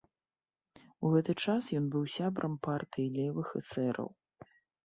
У гэты час ён быў сябрам партыі левых эсэраў.